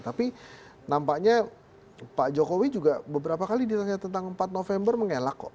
tapi nampaknya pak jokowi juga beberapa kali ditanya tentang empat november mengelak kok